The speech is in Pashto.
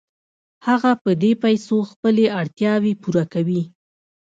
هغه په دې پیسو خپلې اړتیاوې پوره کوي